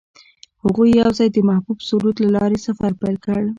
هغوی یوځای د محبوب سرود له لارې سفر پیل کړ.